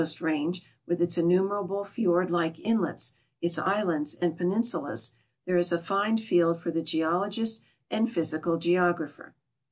st range, with its innumerable fjord like inlets, its islands and peninsulas, there is a fine field for the geologist and physical geographer.